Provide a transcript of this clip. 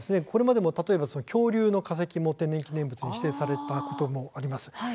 これまでも恐竜の化石も天然記念物に指定されたことがあります。